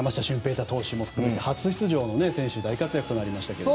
大投手も含めて初出場の選手が大活躍となりましたね。